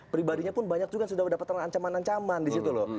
pribadinya pun banyak juga yang sudah mendapatkan ancaman ancaman di situ loh